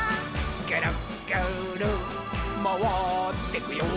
「ぐるぐるまわってくよ」